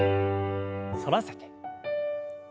反らせて。